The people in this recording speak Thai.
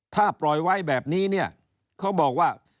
ถ้าปล่อยไว้แบบนี้เนี่ยเขาบอกว่า